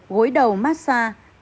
gối đầu massage